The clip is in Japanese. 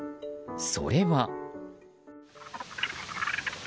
それは。